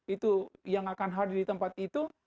itu yang akan hadir di tempat itu